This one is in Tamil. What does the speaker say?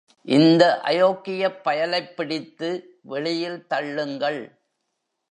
இந்த அயோக்கியப் பயலைப் பிடித்து வெளியில் தள்ளுங்கள்.